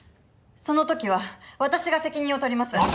そのときは私が責任を取ります。